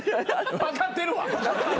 分かってるわ！